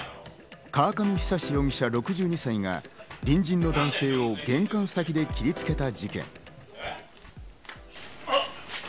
河上久容疑者、６２歳が隣人の男性を玄関先で切りつけた事件。